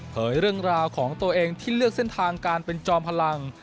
เรื่องราวของตัวเองที่เลือกเส้นทางการเป็นจอมพลัง